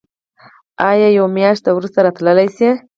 ایا یوه میاشت وروسته راتلی شئ؟